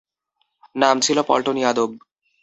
নাম ছিলো পল্টন ইয়াদব।